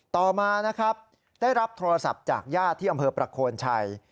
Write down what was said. ต่อมานะครับได้รับโทรศัพท์จากญาติที่อำเภอประโคนชัย